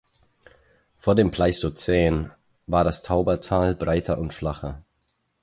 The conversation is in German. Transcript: Vor dem Pleistozän war das Taubertal breiter und flacher.